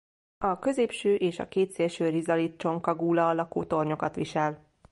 A középső és a két szélső rizalit csonka gúla alakú tornyokat visel.